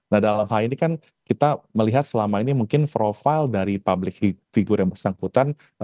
nah dalam hal ini kan kita melihat selama ini mungkin profil dari public figure yang bersangkutan